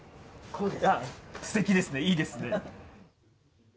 すてきですね、いいですね。